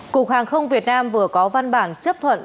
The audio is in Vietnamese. cục hàng không việt nam vừa có văn bản chấp thuận